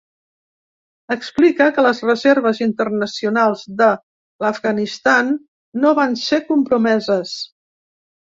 Explica que les reserves internacionals de l’Afganistan no van ser compromeses.